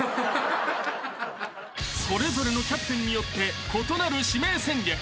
［それぞれのキャプテンによって異なる指名戦略］